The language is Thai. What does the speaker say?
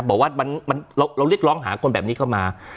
บอกว่าเราเรียกร้องหาคนแบบนี้เข้ามา